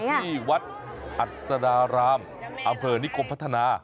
ที่วัดอัศดารามอำเภอนิคมพัฒนา